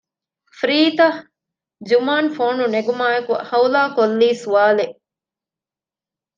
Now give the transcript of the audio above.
ފްރީތަ؟ ޖުމާން ފޯނު ނެގުމާއެކު ހައުލާ ކޮށްލީ ސްވާލެއް